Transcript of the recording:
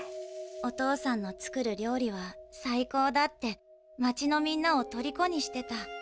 お父さんの作る料理はサイコーだって町のみんなをとりこにしてた。